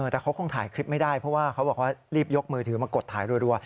แต่เขาคงถ่ายคลิปไม่ได้เพราะว่าเขาบอกว่ารีบยกมือถือมากดถ่ายรัว